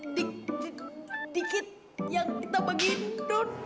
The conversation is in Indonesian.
sedikit yang kita bagi don